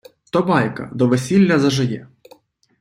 то байка, – до весіля зажиє